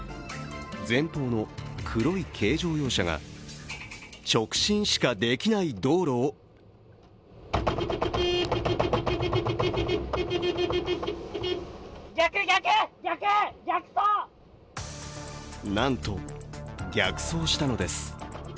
前方の黒い軽乗用車が直進しかできない道路をなんと逆走したのです。